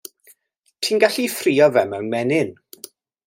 Ti'n gallu 'i ffrio fe mewn menyn.